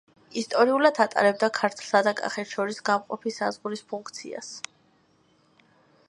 ისტორიულად ატარებდა ქართლსა და კახეთს შორის გამყოფი საზღვრის ფუნქციას.